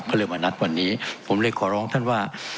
ก็เลยมานัดวันนี้ผมเลยขอร้องท่านว่า